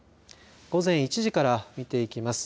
午前１時から見ていきます。